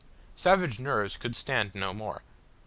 Savage nerves could stand no more.